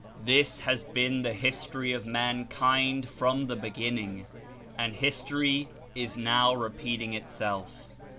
This has been the history of mankind from the beginning, and history is now repeating itself.